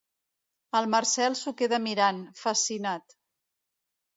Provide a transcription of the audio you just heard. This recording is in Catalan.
El Marcel s'ho queda mirant, fascinat.